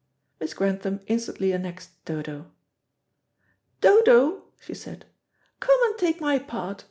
Miss Grantham instantly annexed Dodo. "Dodo," she said, "come and take my part.